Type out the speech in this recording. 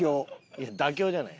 いや妥協じゃない。